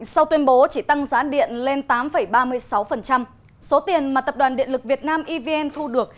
sau tuyên bố chỉ tăng giá điện lên tám ba mươi sáu số tiền mà tập đoàn điện lực việt nam evn thu được